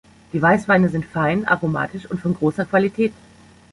Die Weißweine sind fein, aromatisch und von großer Qualität.